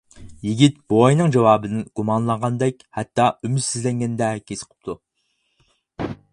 يىگىت بوۋاينىڭ جاۋابىدىن گۇمانلانغاندەك ھەتتا ئۈمىدسىزلەنگەندەك ھېس قىپتۇ.